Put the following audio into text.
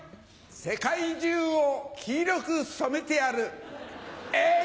世界中を黄色く染めてやるえい！